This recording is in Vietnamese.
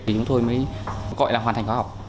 thì chúng tôi mới gọi là hoàn thành khóa học